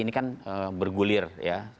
ini kan bergulir ya